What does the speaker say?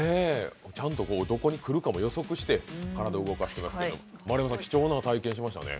ちゃんとどこに来るかも予測して体を動かしてますけど、丸山さん、貴重な体験しましたね？